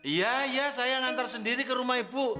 iya iya saya nganter sendiri ke rumah ibu